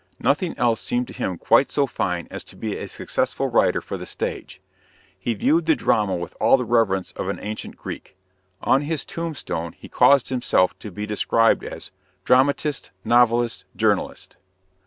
Nothing else seemed to him quite so fine as to be a successful writer for the stage. He viewed the drama with all the reverence of an ancient Greek. On his tombstone he caused himself to be described as "Dramatist, novelist, journalist."